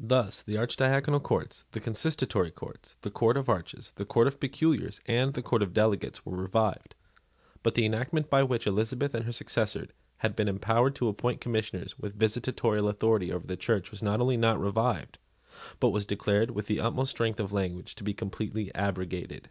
Thus, the Archidiaconal Courts, the Consistory Courts, the Court of Arches, the Court of Peculiars, and the Court of Delegates were revived: but the enactment by which Elizabeth and her successors had been empowered to appoint Commissioners with visitatorial authority over the Church was not only not revived, but was declared, with the utmost strength of language, to be completely abrogated.